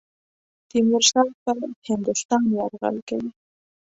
تیمورشاه پر هندوستان یرغل کوي.